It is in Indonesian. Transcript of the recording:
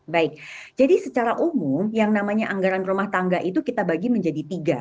baik jadi secara umum yang namanya anggaran rumah tangga itu kita bagi menjadi tiga